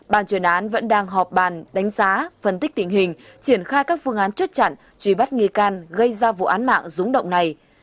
bàn chuyên án vẫn đang họp bàn đánh giá phân tích tình hình triển khai các phương án chốt chặn truy bắt nghi can gây ra vụ án mạng rúng động này